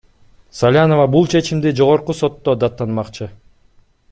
Салянова бул чечимди Жогорку сотто даттанмакчы.